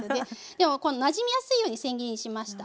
でもなじみやすいようにせん切りにしました。